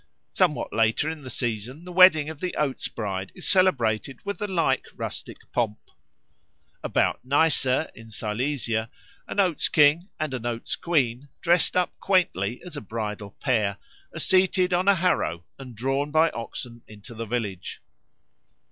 Somewhat later in the season the wedding of the Oats bride is celebrated with the like rustic pomp. About Neisse, in Silesia, an Oats king and an Oats queen, dressed up quaintly as a bridal pair, are seated on a harrow and drawn by oxen into the village.